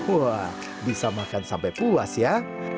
wah bisa makan sampai puas ya